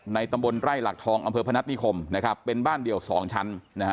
ในตำบลไล่หลักทองอำเภอพนัทนิคมเป็นบ้านเดียวสองชั้น